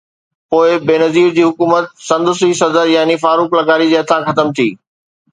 پوءِ بينظير جي حڪومت سندس ئي صدر يعني فاروق لغاري جي هٿان ختم ٿي.